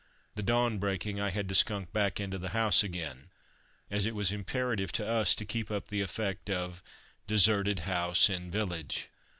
The dawn breaking, I had to skunk back into the house again, as it was imperative to us to keep up the effect of "Deserted house in village."